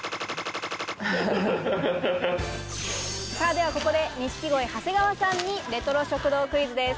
ではここで錦鯉・長谷川さんにレトロ食堂クイズです。